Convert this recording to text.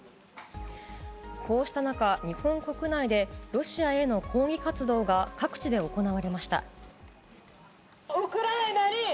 こうした中、日本国内でロシアへの抗議活動が各地で行われました。